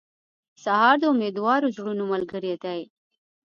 سهار د امیدوارو زړونو ملګری دی.